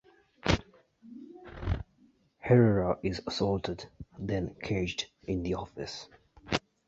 Herrera is assaulted, then caged in the office.